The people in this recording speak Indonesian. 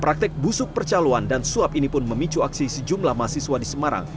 praktek busuk percaluan dan suap ini pun memicu aksi sejumlah mahasiswa di semarang